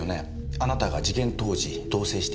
あなたが事件当時同棲していた女性。